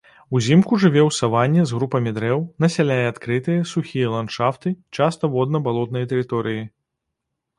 Узімку жыве ў саванне з групамі дрэў, насяляе адкрытыя, сухія ландшафты, часта водна-балотныя тэрыторыі.